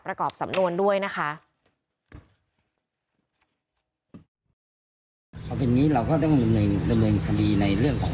ประกอบสำนวนด้วยนะคะ